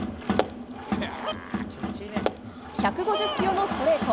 １５０キロのストレート。